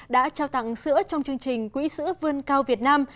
đã trao tặng sữa trong chương trình quỹ sữa vươn cao việt nam